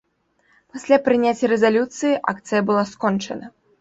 Пасля прыняцця рэзалюцыі акцыя была скончана.